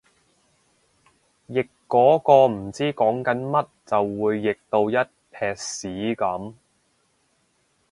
譯嗰個唔知講緊乜就會譯到一坺屎噉